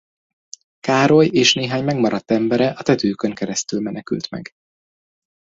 Károly és néhány megmaradt embere a tetőkön keresztül menekült meg.